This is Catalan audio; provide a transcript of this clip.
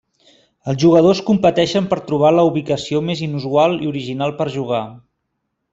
Els jugadors competeixen per trobar la ubicació més inusual i original per jugar.